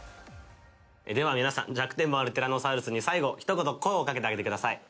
では皆さん弱点もあるティラノサウルスに最後ひと言声をかけてあげてください。